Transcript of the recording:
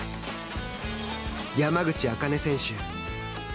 山口茜選手。